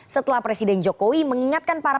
setelah presiden jokowi mengingatkan para